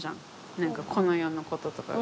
何かこの世のこととかが。